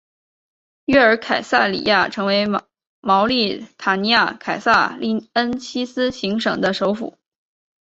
约尔凯撒里亚成为茅利塔尼亚凯撒利恩西斯行省的首府。